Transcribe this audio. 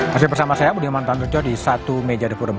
masih bersama saya budi manthan tunca di satu meja the forum